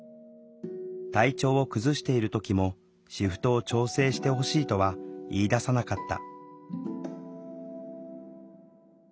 体調を崩している時もシフトを調整してほしいとは言いださなかった。